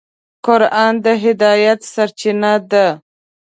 قرآن د هدایت سرچینه ده.